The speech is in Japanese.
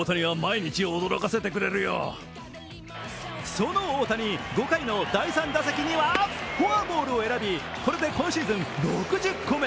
その大谷、５回の第３打席にはフォアボールを選び、これで今シーズン６０個目。